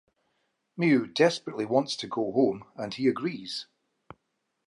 Miu desperately wants to go home and he agrees.